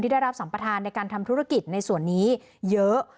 ได้รับสัมประธานในการทำธุรกิจในส่วนนี้เยอะ